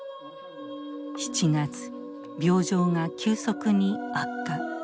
７月病状が急速に悪化。